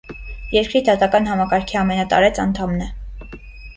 Երկրի դատական համակարգի ամենատարեց անդամն է։